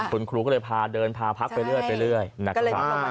คุณครูก็เลยพาเดินพาพักไปเรื่อยนะครับ